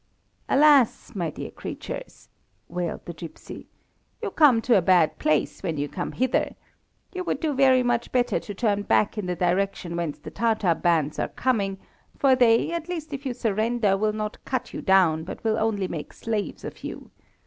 "Alas! my dear creatures," wailed the gipsy, "you come to a bad place when you come hither. You would do very much better to turn back in the direction whence the Tatar bands are coming, for they, at least if you surrender, will not cut you down, but will only make slaves of you.